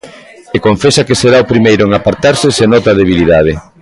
E confesa que será o primeiro en apartarse se nota debilidade.